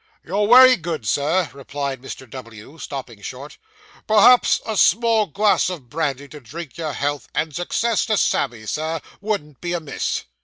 'You're wery good, Sir,' replied Mr. W., stopping short; 'perhaps a small glass of brandy to drink your health, and success to Sammy, Sir, wouldn't be amiss.